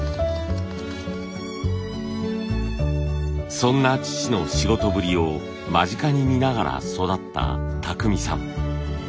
そんな父の仕事ぶりを間近に見ながら育った巧さん。